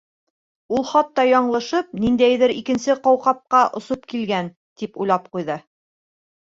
Ул хатта яңлышып, ниндәйҙер икенсе ҡауҡабҡа осоп килгән, тип уйлап ҡуйҙы.